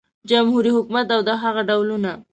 جمهوري حکومت او د هغه ډولونه